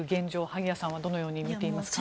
萩谷さんはどのように見ていますか？